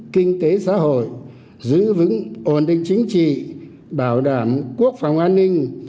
kinh tế xã hội giữ vững ổn định chính trị bảo đảm quốc phòng an ninh